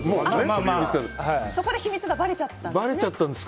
そこで秘密がばれちゃったんですね。